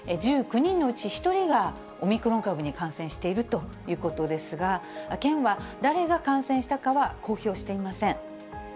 １９人のうち１人がオミクロン株に感染しているということですが、県は、誰が感染したかは公表していません。